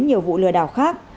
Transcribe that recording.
nhiều vụ lừa đảo khác